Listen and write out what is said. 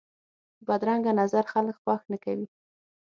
بدرنګه نظر خلک خوښ نه کوي